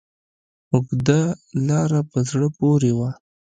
اوږده لاره په زړه پورې وه.